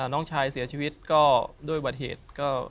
น้องชายเสียชีวิตก็ด้วยบัติเหตุ